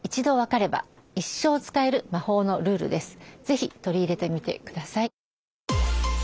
是非取り入れてみてください。